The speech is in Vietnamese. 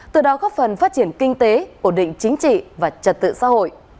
từ đó góp phần phát triển kinh tế ổn định chính trị và trật tự xã hội